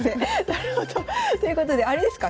なるほど。ということであれですか